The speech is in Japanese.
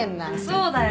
そうだよ